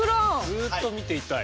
ずっと見ていたい。